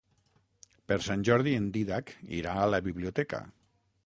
Per Sant Jordi en Dídac irà a la biblioteca.